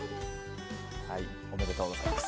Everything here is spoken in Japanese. おめでとうございます。